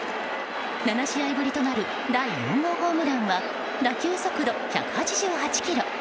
７試合ぶりとなる第４号ホームランは打球速度１８８キロ。